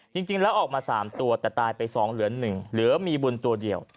จริงแล้วออกมา๓ตัวแต่ตายไป๒เหลือ๑เหลือมีบุญตัวเดียว